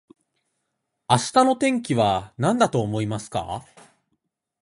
明日の天気はなんだと思いますか